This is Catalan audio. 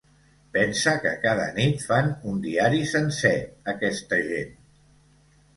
Pensa que cada nit fan un diari sencer, aquesta gent!